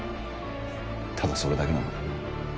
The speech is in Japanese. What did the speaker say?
ただそれだけなのに。